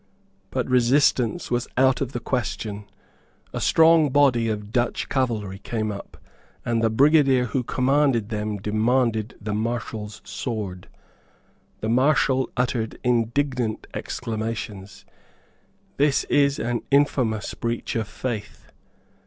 But resistance was out of the question; a strong body of Dutch cavalry came up; and the Brigadier who commanded them demanded the Marshal's sword. The Marshal uttered indignant exclamations: "This is an infamous breach of faith.